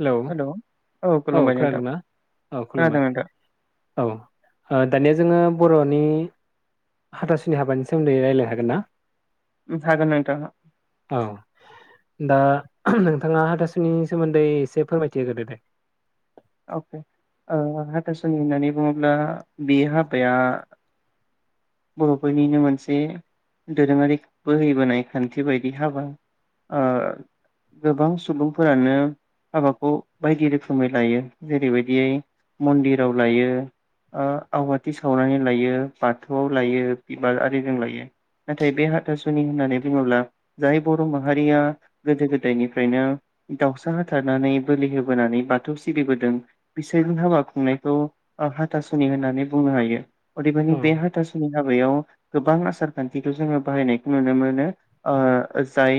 Hello hello औ औ खुलुमबाय नोंथां खोनादोंना औ खोनादों खुलुमबाय नोंथां औ दानिया जोङो बर'नि हाथासुनि हाबानि सोमोन्दै रायज्लाय हागोन ना? जागोन नोंथां औ दा नोंथाङा हाथासुनि सोमोन्दै एसे फोरमायथि होग्रोदो दे अके ओ हाथासुनि होननानै बुङोब्ला बे हाबाया बर'फोरनिनो मोनसे दोरोङारि बोहैबोनाय खान्थि बायदि हाबा ओ गोबां सुबुंफोरानो हाबाखौ बायदि रोखोमै लायो जेरैबायदियै मन्दिराव लायो ओ आवाथि सावनानै लायो बाथो थौआव लायो बिबारिजों लायो नाथाय बे हाथासुनि होननानै बुङोब्ला जाय बर' माहारिया गोदो गोदायनिफ्रायनो दाउसा हाथारनानै बोलि होबोनानै बाथौ सिबिबोदों बिसोर हाबा खुंनायखौ हाथासुनि होननानै बुंनो हायो अदेबानि औ बे हा हाथासुनि हाबायाव गोबां आसार खान्थिखौ जोङो बाहायनायखौ नुनो मोनो ओ जाय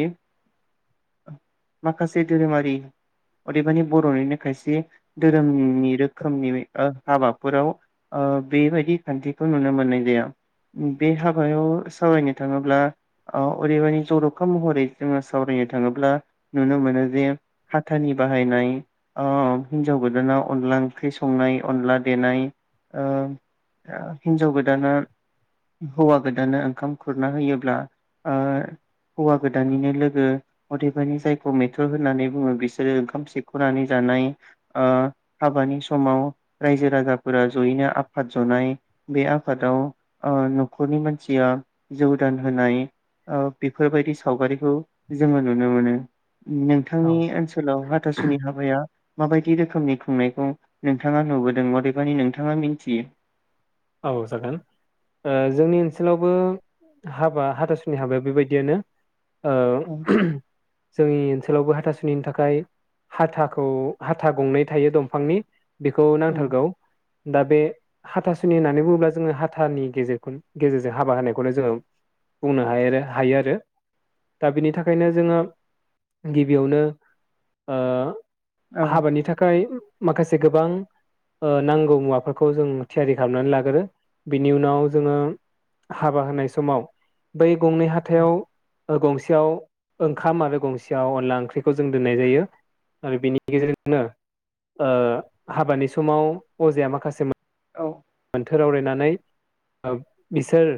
माखासे धोरोमारि अदेबानि बर'निनो खायसे धोरोमनि रोखोमनि हाबाफोराव ओ बेबायदि खान्थिखौ नुनो मोननाय याव बे हाबायाव सावरायनो थाङोब्ला ओरैबदि जरखा महरै जोङो सावरायनो थाङोब्ला नुनो मोनो जे हाथानि बाहायनाय अ हिन्जाव ओ गोदाना अनला ओंख्रि संनाय अनला देनाय ओ हिनजाव गोद गोदाना हौवा गोदाननो ओंखाम खुरना होयोब्ला ओ हौवा गोदाननिनो लोगो अदेबानि जायखौ मेथर होननानै बुङो। बिसोरो ओंखाम सेखनानै जानाय हाबानि समाव रायजो राजाफोरा जयैनो आफाद जनाय बे आफादाव ओ नख'रनि मानसिया जौदान होनाय ओ बेफोरबायदि सावगारिखौ जोङो नुनो मोनो। औ नोंथांनि ओनसोलाव हाथासुनि हाबाया माबायदि रोखोमनि खुंनायखौ नोंथाङा नुबोदों अदेबानि नोंथाङा मिनथियो? औ जागोन ओ जोंनि ओनसोलावबो हाबा हाथासुनि हाबाया बेबायदियानो। ओ जोंनि ओनसोलावबो हा हाथासुनिनि थाखाय हाथाखौ हाथा गंनै थायो दंफांनि। बेखौ औ नांथारगौ। दा बे हाथा सुनि होननानै बुङोब्ला जोङो हाथानि गेजेर गेजेरजों हाबा होनायखौनो जोङो बुंनो हायो आरो हायो आरो दा बिनि थाखायनो जोङो गिबियावनो ओ औ हाबानि थाखाय माखासे गोबां ओ नांगौ मुवाफोरखौ जों थियारि खालामनानै लाग्रो बिनि उनाव जोङो हाबा होनाय समाव बै गंनै हाथायाव ओ गंसेयाव ओंखाम आरो गंसेयाव अनला ओंख्रिखौ जों दोननाय जायो आरो बिनि गेजेरजोंनो ओ हाबानि समाव अजाया माखासे औ। मोनथोर आवरायनानै बिसोर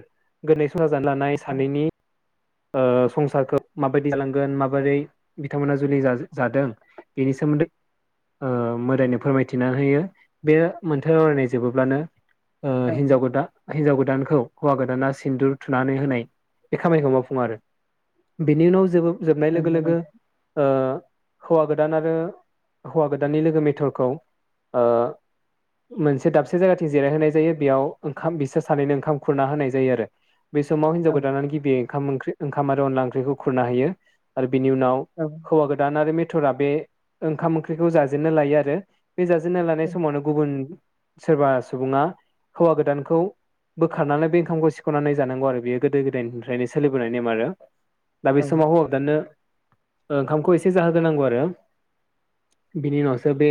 गोरलै सुवा जानो लानाय सानैनि ओ संसारखौ माबायदि जालांगोन माबोरै बिथांमोना जुलि जा-जादों बेनि सोमोन्दै ओ मोदायनो फोरमायथिना होयो बे मोनथोर आवरायनाय जोबोब्लानो ओ औ हिन्जाव गोदा हिनजाव गोदानखौ हौवा गोदाना सिन्दुर थुनानै होनाय बे खामानिखौ मावफुं फुङो आरो बेनि उनाव जोबो जोबनाय लोगो नंगौ लोगो नोंथां ओ हौवा गोदान आरो हौवा गोदाननि लोगो मेथरखौ ओ मोनसे दाबसे जायगाथिं जिरायहोनाय जायो बेयाव ओंखाम बिसोर सानैनो ओंखाम खुरना होनाय जायो आरो। बे समाव हिनजाव औ गोदानानो गिबियै ओंख्रि ओंखाम आरो अनला ओंख्रिखो खुरना होयो आरो बिनि उनाव औ हौवा गोदान आरो मेथ थरा बे ओंखाम ओंख्रिखौ जाजेननो लायो आरो। बे जाजेनना लानाय औ समावनो गुबुन सोरबा सुबुङा हौवा गोदानखौ बोखारनानै बे ओंखामखौ सिखनानै जानांगौ आरो बेयो गोदो गोदायनि फ्रायनो सोलिबोनाय नेम आरो। दा बे समाव औ हौवा गोदाननो ओंखामखौ एसे जाहोग्रोनांगौ आरो बिनि उनावसो बे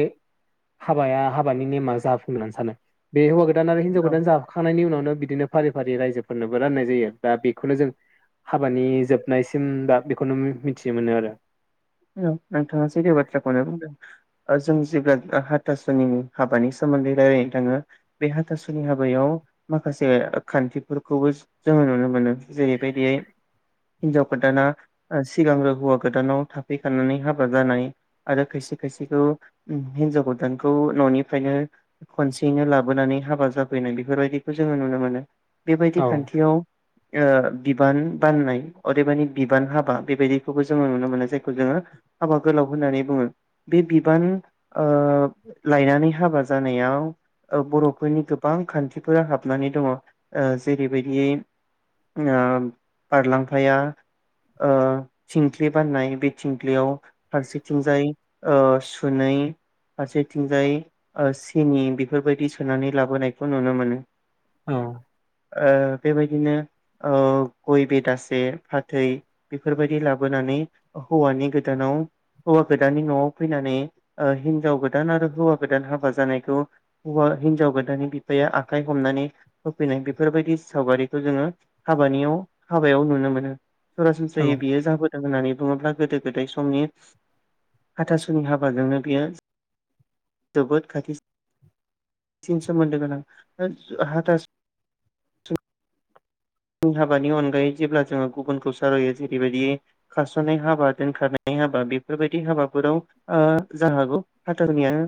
हाबाया हाबानि नेमा जाफुंङो होननानै सानो बे हौवा गोदान आरो हिनजाव औ गोदान जाबाखांनायनि उनाव बिदिनो फारि फारि रायजोफोरनोबो राननाय जायो दा बेखौनो जों हाबानि जोबनायसिम दा बेखौनो मिथिनो मोनो आरो। नोंथाङा सैथो बाथ्राखौनो बुंदों जों जेब्ला हाथासुनि हाबानि सोमोन्दै रायलायनो थाङो बे हाथासुनि हाबायाव माखासे खान्थिफोरखौबो जोङो नुनो मोनो। जेरैबायदियै हिनजाव गोदाना ओ सिगांग्रो हौवा गोदानाव था फैखनानै हाबा जानाय आरो खायसे खायसेखौ हिनजाव गोदानखौ ननिफ्रायनो खनसेयैनो लाबोनानै हाबा जाफैनाय बेफोरबायदिखौ जोङो नुनो मोनो। बेबायदि औ खान्थियाव बिबान बाननाय अदेबानि बिबान हाबा बेबायदिखौबो जोङो नुनो मोननाय जायो। जोङो हाबा गोलाव होननानै बुङो बे बिबान ओ लायनानै हाबा जानायाव बर'फोरनि गोबां खान्थिफोरा हाबनानै दङ ओ जेरैबायदि ओ बारलांफाया ओ थिंख्लि बाननाय थिंख्लियाव फारसेथिंजाय ओह सुनै फारसेथिंजाय सिनि बेफोरबायदि सोनानै लाबोनायखौ नुनो मोनो। औ ओह। बेबायदिनो ओ गय बेदासे फाथै बेफोरबायदि लाबोनानै हौवानि गोदानाव हौवा गोदाननि न'आव फैनानै हिनजाव गोदान आरो हौवा गोदान हाबा जानायखौ हिनजाव गोदाननि बिफाया आखाइ हमनानै होफैनाय बेफोरबायदि सावगारिखौ जोङो हाबानियाव हाबायाव नुनो मोनो। औ सरासनस्रायै बियो जाबोदों होननानै बुङोब्ला गोदो गोदाय समनि हाथासुनि हाबाजोंनो बियो जोबोद खाथि सोमोन्दो गोनां। हाबानि अनगायै जेब्ला जोङो गुबुनखौ सावायो जेरैबायदि खारसनाय हाबा दोनखारनाय हाबा बेफोरबायदि हाबाफोराव ओ जानो हागौ हाथासुनिया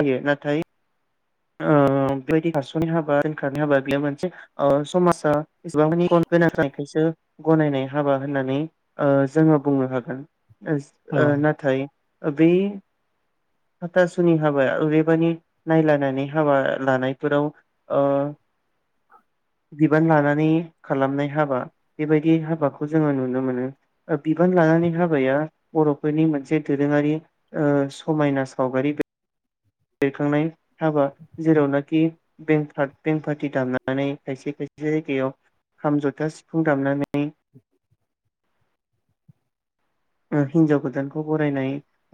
जायो नाथाय [inaudible] ओ समाजा [inaudible] गनायनाय हाबा होननानै ओ जोङो बुंनो हागोन। औ ओ नाथाय बे हाथासुनि हाबाया ओरैबानि नायलानानै हाबा लानायफोराव ओ बिबान लानानै खालामनाय हाबा बेबायदि हाबाखौ जोङो नुनो मोनो बिबान लानानै हाबाया बरफोरनि मोनसे दोरोङारि ओ समायना सावगारि। बेरखांनाय हाबा जेरावनाखि बें बेंफाटि दामनानै खायसे खायसे जायगायाव खाम जथा सि फुं दामनानै हिनजाव गोदानखौ बरायनाय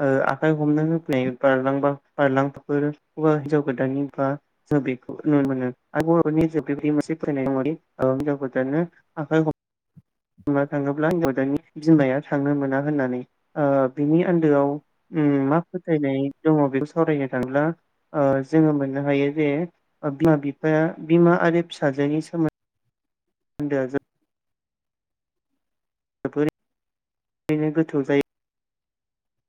ओ आखाय हमनो होनाय बारलाम्फानि [inaudible] हिनजाव गोदाननि बा बेखौ नुनो मोनो [inaudible] हौवा थाङोब्ला हिनजाव गोदाननि बिमाया थांनो मोना होननानै ओ बिनि आन्दोआव मा उम फोथायनाय दङ बेखौ सावरायनो थांब्ला ओ जोङो मोननो हायो जे बिमा बिफाया बिमा आरो फिसाजोनि [unintelligible] सोमोन्दो आ [unintelligible] बेखायनो गोथौ जायो।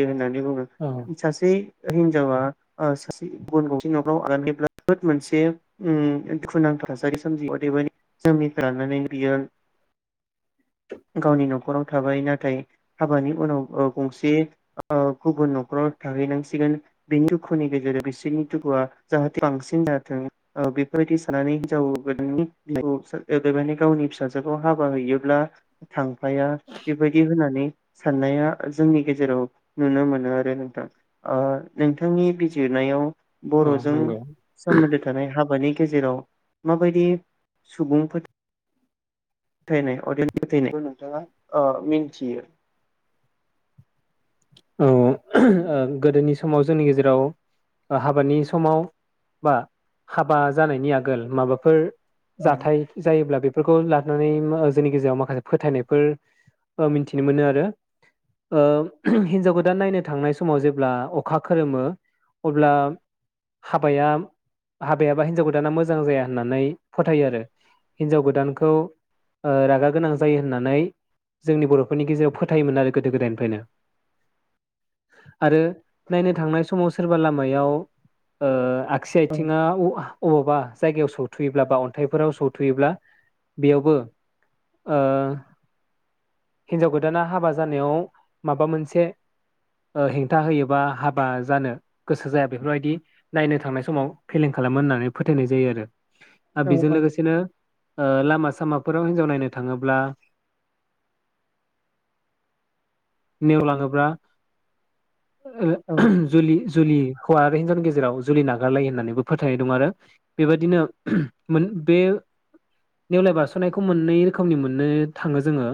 बिदिनो बुङो औ सासे हिनजावा [inaudible] जोबोद मोनसे उम दुखुनांथ थासारि सोमजियो अदेबानि जोनोमनिफ्राय लानानै बियो गावनि नखराव थाबाय नाथाय हाबानि उनाव ओ गंसे ओ गुबुन नखराव थाहैनांसिगोन बेनि दुखुनि गेजेरजों बेसोरनि दुखुवा जाहाथे बांसिन जाथों [inaudible] अदेबानि गावनि फिसाजोखौ हाबा हैनायाव थांफाया सानाया जोंनि गेजेराव नुनो मोनो आरो नोंथां ओ नोंथांनि बिजिरनायाव औ बर'जों नंगौ सोमोन्दो थानाय हाबानि गेजेराव माबायदि सुबुं फो थायनाय अगियान फोथायनाय नोंथाङा अ मिथियो? औ ओ गोदोनि समाव जोंनि गेजेराव हाबानि समाव बा हाबा जानायनि आगोल माबाफोर औ जाथाय जायोब्ला बे फोरखौ लानानै जोंनि गेजेराव माखासे फोथायनायफोर मिथिनो मोनो आरो ओ हिनजाव गोदान नायनो थांनाय समाव जेब्ला अखा खोरोमो अब्ला हाबाया हाबाया बा हिनजाव गोदाना मोजां जाया होननानै फोथायो आरो हिनजाव गोदानखौ ओ रागा गोनां जायो होननानै जोंनि बरफोरनि गेजेराव फोथायोमोन आरो गोदो गोदायनिफ्रायनो। आरो नायनो थांनाय समाव सोरबा लामायाव ओ आगसि आइथिंङा उ अबावबा जायगायाव सौथुयोब्ला बा अन्थाइफोराव सौथुयोब्ला बेयावबो ओ हिनजाव गोदाना हाबा जानायाव माबा मोन से ओ हेंथा होयो बा हाबा जानो गोसो जाया बेफोरबायदि नायनो थांनाय समाव फेलें खालामो होननानै फोथायनाय जायो आरो ओ औ बेजों औ लोगोसेनो ओ लामा सामाफोराव हिनजाव नायनो थाङोब्ला नेवला ङोब्ला औ ओ जुलि जुलि हौवा आरो हिनजावनि गेजेराव जुलि नागारलायो होननानैबो फोथायनाय दं आरो बेबायदिनो मोन बे नेवलाय बारसनायखौ मोननै रोखोमनि मोननो थाङो जोङो।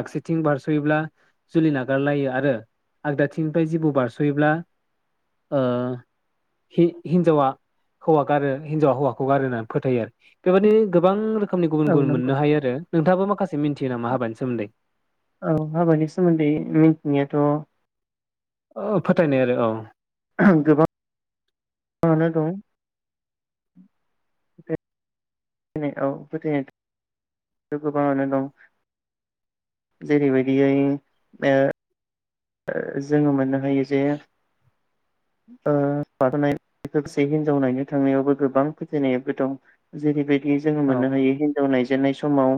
आगसिथिं बार सयोब्ला जुलि ना गारलायो आरो आगदाथिंनिफाय जिबौ बारसयोब्ला ओ हि-हिनजावा हौवा गारो हिनजावा हौवाखौ गारो होनना फोथायो आरो बेबादिनो गोबां रो खोमनि गुबुन औ गुबुन नंगौ मोननो हायो आरो नोंथाङाबो माखासे मिथियो नामा हाबानि सोमोन्दै? मिनथिनायाथ' औ फोथायनाय आरो औ गोबाङानो दं। फोथायनाय औ फोथायनाय गोबाङानो दं जेरैबायदियै ओ ओ जोङो मोनो हायो जे ओ [unintelligible] लोगोसे हिनजाव नायनो थांनायावबो गोबां फोथायनायाबो दं। जेरैबाय दि जोङो औ मोननो हायो हिनजाव नाय जेननाय समाव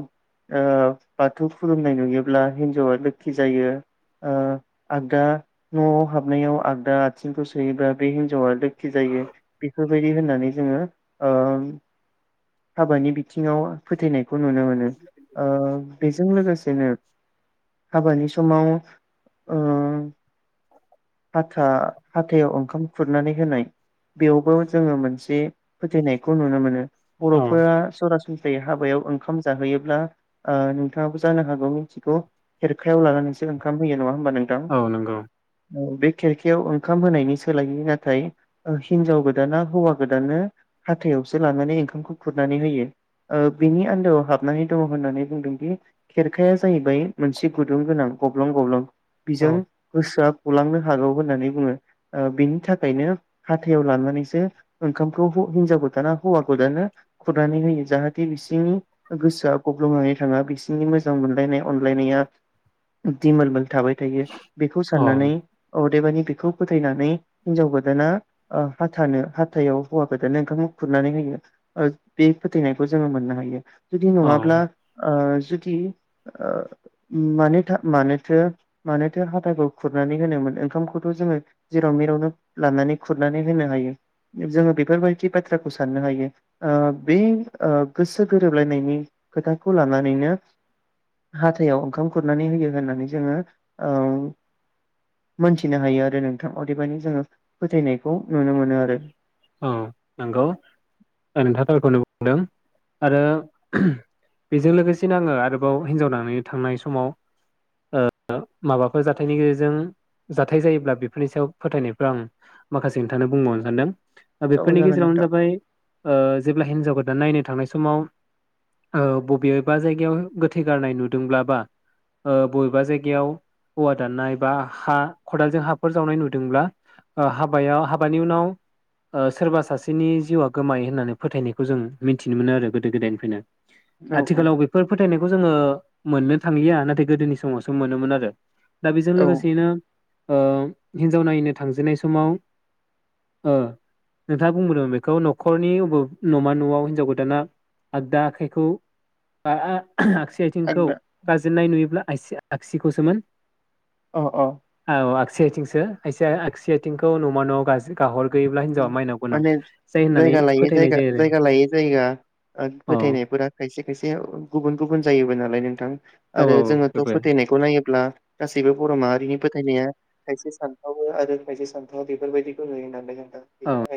ओ बाथौ खुलुमनाय नुयोब्ला हिन्जावा लोखि जायो ओ आगदा नआव हाबनायाव आगदा आथिंखौ सोयोब्ला बे हिनजावा लोखि जायो बेफोरबायदि होननानै जोंङो ओ हाबानि बिथिङाव फोथायनाय खौ नुनो मोनो ओ बेजों लोगोसेनो हाबानि समाव ओ हाथा हाथायाव ओंखाम खुरनानै होनाय बेयावबो जोंङो मोनसे फोथायनाइखौ नुनो मोनो। औ बरफोरा सरास नस्रायै हाबायाव ओंखाम जाहोयोब्ला ओ नोंथाङाबो जानो हागौ मिथिगौ खेरखायाव लानानैसो ओंखाम होयो नङा होनबा नोंथां? औ नंगौ औ बे खेरखायाव ओंखाम होनायनि सोलायै नाथाय ओ हिनजाव गोदाना हौवा गोदानो हाथायावसो लानानै ओंखामखौ खुरनानै होयो। ओ बिनि आन्दोआव हाबनानै दङ होननानै बुंदोंदि खेरखाया जाहैबाय मोनसे गुदुं गोनां गब्लं गब्लं। औ बिजों गोसोआ गलांनो हागौ होननानै बुङो। ओ बिनि थाखायनो हाथायाव लानानैसो ओंखामखौ हु हिनजाव गोदाना हौवा गोदाननो खुरनानै होयो जाहाथे बिसोरनि गोसोआ गब्लंनानै थाङा बिसिनि मोजां मोनलायनाया अनलायनाया दिमोल मोल थाबाय थायो बेखौ औ साननानै अदेबानि बेखौ फोथायनानै हिन्जाव गोदाना ओ हाथानो हाथायाव हौवा गोदाननो ओंखामखौ खुरनानै होयो ओ बे फोथायनायखौ जोंङो मोननो हायो। जुदि औ नङाब्ला ओ जुदि ओ मानिथा मानोथो मानोथो हाथाखौ खुरनानै होनोमोन ओंखामखौथ जोंङो जेराव मेरावनो लानानै खुरनानै होनो हायो जोंङो बेफोरबायदि बाथ्राखौ साननो हायो ओ बे ओ गोसो गोरोबलायनायनि खोथाखौ लानानैनो हाथायाव ओंखाम खुरनानै होयो होननानै जोंङो ओ मोनथिनो हायो आरो नोंथां अदेबानि जोंङो फोथायनायखौ नुनो मोनो आरो। औ नंगौ नोंथाङा थारखौनो बुंदों आरो बेजों लोगोसेनो आंङो आरोबाव हिन्जाव नायनो थांनाय समाव ओ माबाफोर जाथायनि गेजेरजों जाथाय जायोब्ला बेफोरनि सायाव फोथायनायखौ आं माखासे नोंथांनो बुंबावनो सानदों। औ बेफोरनि जागोन गेजेरावनो नोंथां जाबाय ओ जेब्ला हिनजाव गोदान नायनो थांनाय समाव ओ बबेबा जायगायाव गोथै गारनाय नुदोंब्ला बा ओ बबेबा जायगायाव औवा दाननाय बा हा खदालजों हाफोर जावनाय नुदोंब्ला ओ हाबायाव हाबानि उनाव सोरबा सासेनि जिउआ गोमायो होननानै फोथायनायखौ जों मिथिनो मोनो आरो गोदो गोदायनिफ्रायनो। औ आथिखालाव बेफोर फोथायनाय खौ जोंङो मोननो थांलिया नाथाय गोदोनि समावसो मोनोमोन आरो। दा बेजों औ लोगोसेनो ओ हिन्जाव नायनो थांजेननाय समाव ओ नोंथाङा बुंबोदों बेखौ नख'रनि नमा नआव हिनजाव गोदाना आगदा आखाइखौ बा आ आगसि आथिंखौ आंदा गाजेननाय नुयोब्ला आसि आगसिखौसोमोन। अ अ। सेथिंसो खायसे आगसि आथिंखौ नमा न'आव गाज्रि गाहर ग्रोयोब्ला हिन्जावा माने जायगा लायै जायगा जायगा लायै जायगा आरो फोथायनायफोरा खायसे खायसे खायसे गुबुन गुबुन जायोबो नालाय नोंथां। औ आरो औ जोंनाथ' बेबो फोथायनायखौ नायोब्ला गासैबो बर' माहारिनि फोथायनाया खायसे सानथावो आरो खायसे सानथावा बेफोरबायदिखौ नुयो नालाय जों। औ